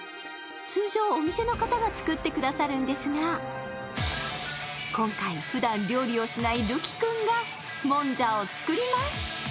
通常お店の方が作ってくださるんですが、今回、ふだん料理をしない瑠姫君がもんじゃを作ります。